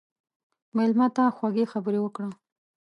مېلمه ته خوږې خبرې وکړه.